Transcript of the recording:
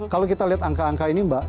kalau kita lihat angka angka ini mbak